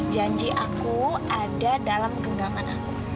janji aku ada dalam genggaman aku